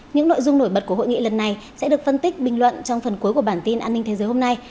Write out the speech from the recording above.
những nội dung nổi bật của hội nghị lần này sẽ được phân tích bình luận trong phần cuối của bản tin an ninh thế giới hôm nay